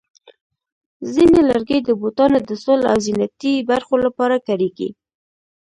ځینې لرګي د بوټانو د سول او زینتي برخو لپاره کارېږي.